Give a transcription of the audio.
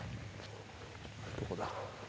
どこだ。